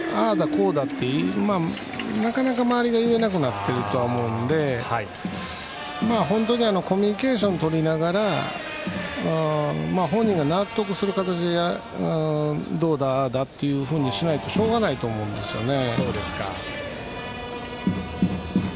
こうだって周りが言えなくなっていると思うので本当にコミュニケーションをとりながら本人が納得する形でどうだ、ああだってしないとしょうがないと思うんですね。